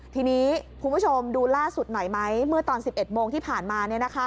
ทีนี้คุณผู้ชมดูล่าสุดหน่อยไหมเมื่อตอน๑๑โมงที่ผ่านมา